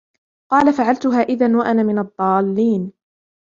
قَالَ فَعَلْتُهَا إِذًا وَأَنَا مِنَ الضَّالِّينَ